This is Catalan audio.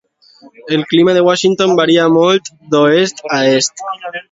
El clima de Washington varia molt d'oest a est.